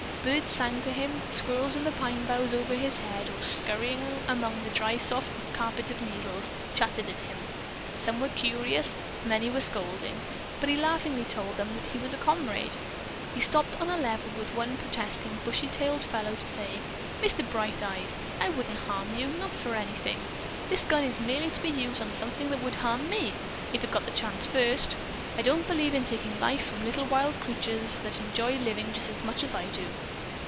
Birds sang to him, squirrels in the pine boughs over his head, or scurrying among the dry soft carpet of needles, chattered at him; some were curious, many were scolding, but he laughingly told them that he was a comrade. He stopped on a level with one protesting bushy tailed fellow to say, "Mr. Bright Eyes, I wouldn't harm you, not for anything! This gun is merely to be used on something that would harm me, if it got the chance first. I don't believe in taking life from a little wild creature that enjoys living just as much as I do."